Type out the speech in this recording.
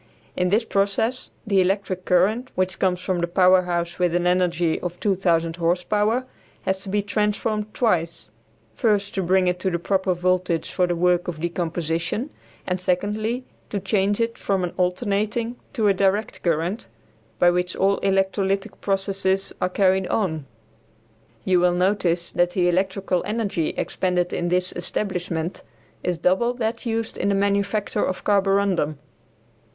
In this process the electric current, which comes from the power house with an energy of 2000 horse power, has to be transformed twice; first, to bring it to the proper voltage for the work of decomposition, and, secondly, to change it from an alternating to a direct current, by which all electrolytic processes are carried on. You will notice that the electrical energy expended in this establishment is double that used in the manufacture of carborundum.